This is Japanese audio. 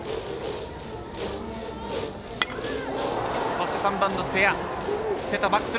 そして、３番の瀬谷。